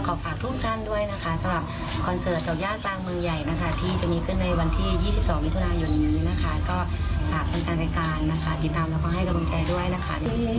ฝากทุกท่านด้วยนะคะสำหรับคอนเสิร์ตดอกย่ากลางเมืองใหญ่นะคะที่จะมีขึ้นในวันที่๒๒มิถุนายนนี้นะคะก็ฝากแฟนรายการนะคะติดตามแล้วก็ให้กำลังใจด้วยนะคะ